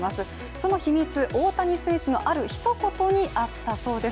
その秘密、大谷選手のあるひと言にあったそうです。